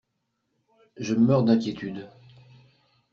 Je meurs d'inquiétude.